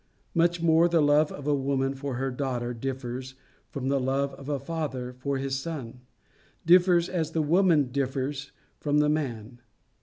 Much more the love of a woman for her daughter differs from the love of a father for his son differs as the woman differs from the man.